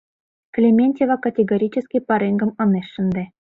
Клементьева категорически пареҥгым ынеж шынде.